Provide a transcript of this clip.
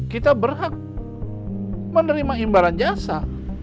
kita berhak menerima imbalan jasa